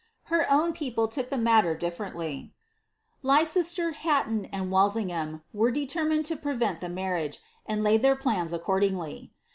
Her own people took the matter differently. Leicester, Hatton, and Walsingham, were determined to prevent the marriage, and laid theii plans accordingly.